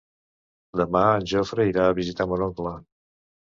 Demà en Jofre irà a visitar mon oncle.